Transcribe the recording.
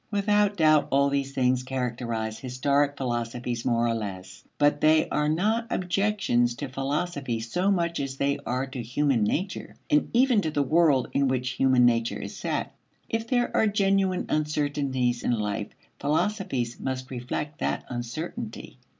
Without doubt, all these things characterize historic philosophies more or less. But they are not objections to philosophy so much as they are to human nature, and even to the world in which human nature is set. If there are genuine uncertainties in life, philosophies must reflect that uncertainty.